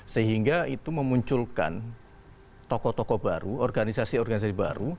sehingga itu memunculkan tokoh tokoh baru organisasi organisasi baru